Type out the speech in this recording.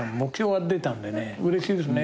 うれしいですね。